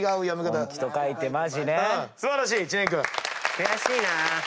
悔しいな。